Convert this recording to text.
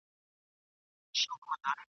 غټ ښنګوري یې پر ځای وه د منګولو !.